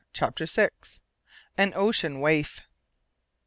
CHAPTER VI. AN OCEAN WAIF.